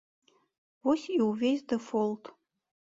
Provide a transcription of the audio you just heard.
Вось і ўвесь дэфолт.